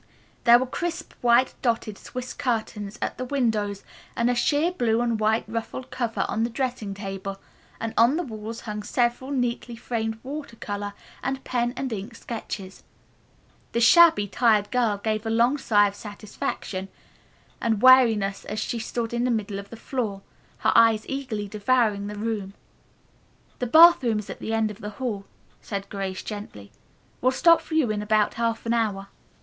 There were crisp, white dotted swiss curtains at the windows and a sheer blue and white ruffled cover on the dressing table, while on the walls hung several neatly framed water color and pen and ink sketches. The shabby, tired girl gave a long sigh of satisfaction and weariness as she stood in the middle of the floor, her eyes eagerly devouring the pretty room. "The bathroom is at the end of the hall," said Grace gently. "We'll stop for you in about half an hour."